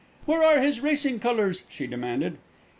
"Where are his racing colours?" she demanded.